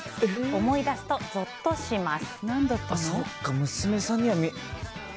思い出すとぞっとします。